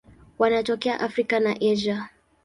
Wanatokea Afrika na Asia.